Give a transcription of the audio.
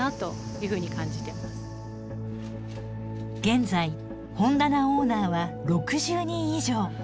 現在本棚オーナーは６０人以上。